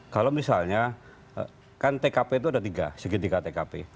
kalau misalnya kan tkp itu ada tiga segitiga tkp